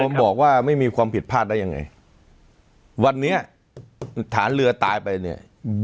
ผมบอกว่าไม่มีความผิดพลาดได้ยังไงวันนี้ฐานเรือตายไปเนี่ย